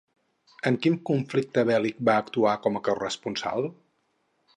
En quin conflicte bèl·lic va actuar com a corresponsal?